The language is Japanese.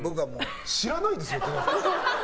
知らないんですか？